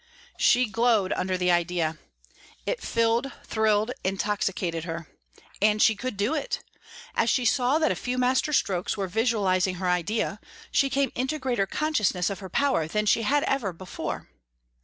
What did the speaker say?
She glowed under the idea. It filled, thrilled, intoxicated her. And she could do it! As she saw that a few master strokes were visualising her idea she came into greater consciousness of her power than she had ever had before.